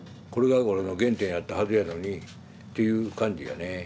これが俺の原点やったはずやのにっていう感じだね。